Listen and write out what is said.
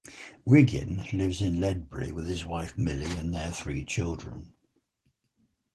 Wiggin lives in Ledbury with wife Milly and their three children.